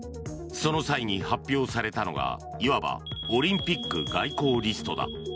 その際に発表されたのが、いわばオリンピック外交リストだ。